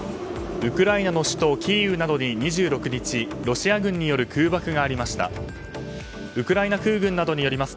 ウクライナの首都キーウなどに２６日ロシア軍による空爆がありました。